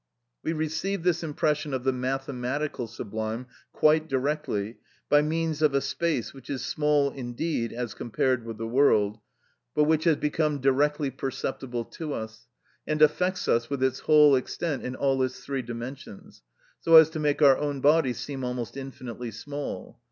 We receive this impression of the mathematical sublime, quite directly, by means of a space which is small indeed as compared with the world, but which has become directly perceptible to us, and affects us with its whole extent in all its three dimensions, so as to make our own body seem almost infinitely small.